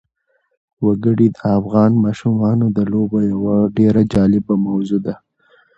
وګړي د افغان ماشومانو د لوبو یوه ډېره جالبه موضوع ده.